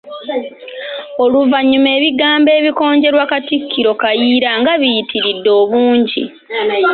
Oluvannyuma, ebigambo ebikonjerwa Katikkiro Kayiira nga biyitiridde obungi.